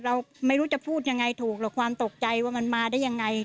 เราไม่รู้จะพูดยังไงถูกหรอกความตกใจว่ามันมาได้ยังไง